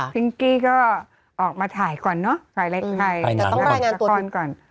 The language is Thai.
ทุกอาทิตย์ใช่ไหมค่ะ